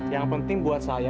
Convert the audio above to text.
yang penting buat saya